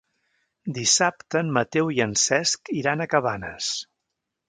Dissabte en Mateu i en Cesc iran a Cabanes.